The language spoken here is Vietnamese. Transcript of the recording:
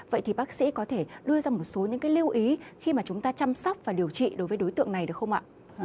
vậy thì bác sĩ có thể đưa ra một số những cái lưu ý khi mà chúng ta chăm sóc và điều trị đối với đối tượng này được không ạ